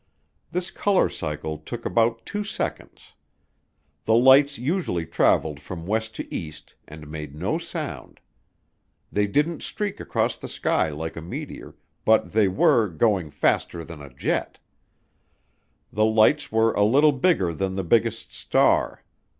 This color cycle took about two seconds. The lights usually traveled from west to east and made no sound. They didn't streak across the sky like a meteor, but they were "going faster than a jet." The lights were "a little bigger than the biggest star."